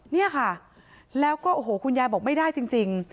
เนี่ยค่ะแล้วก็โอ้โหคุณยายบอกไม่ได้จริง